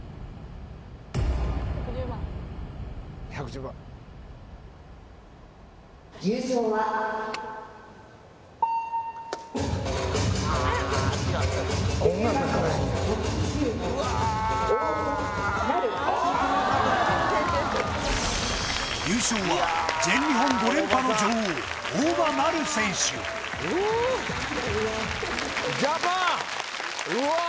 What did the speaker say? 違う優勝は全日本５連覇の女王うわ